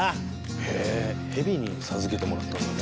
へえ蛇に授けてもらったんだね。